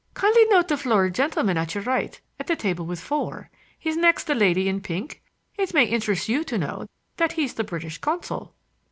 "Kindly note the florid gentleman at your right —at the table with four—he's next the lady in pink. It may interest you to know that he's the British consul."